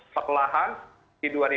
setelah di dua ribu dua puluh